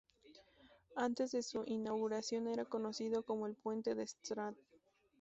Antes de su inauguración era conocido como el puente de Strand.